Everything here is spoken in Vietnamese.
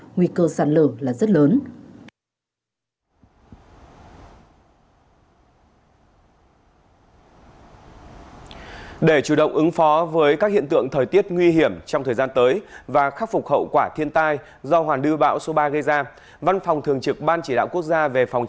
nguy cơ sạt lở là rất lớn